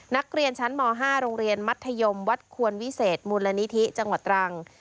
นักเรียนชั้นม๕โรงเรียนมัธยมวัดควรวิเศษมูลนิธิจังหวัดตรัง